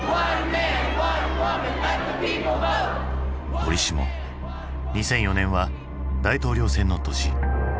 折しも２００４年は大統領選の年。